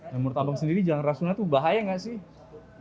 menurut abang sendiri jalan rasunasai tuh bahaya nggak sih